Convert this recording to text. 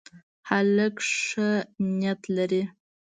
هلک ښه نیت لري.